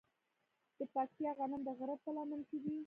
د پکتیا غنم د غره په لمن کې دي.